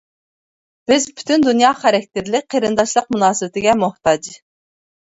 بىز پۈتۈن دۇنيا خاراكتېرلىك قېرىنداشلىق مۇناسىۋىتىگە موھتاج.